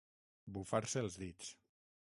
Bufar-se els dits.